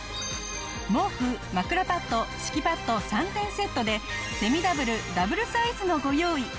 毛布枕パッド敷きパッド３点セットでセミダブルダブルサイズもご用意。